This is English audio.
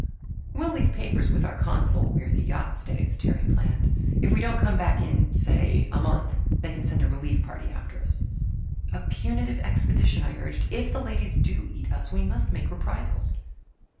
"We'll leave papers with our consul where the yacht stays," Terry planned. "If we don't come back in say a month they can send a relief party after us." "A punitive expedition," I urged. "If the ladies do eat us we must make reprisals."